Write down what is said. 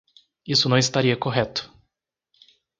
Isso não estaria correto.